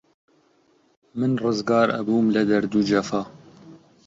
من ڕزگار ئەبووم لە دەرد و جەفا